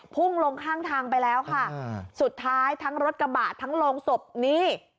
พุ่งลงข้างทางไปแล้วค่ะสุดท้ายทั้งรถกระบะทั้งโรงศพนี่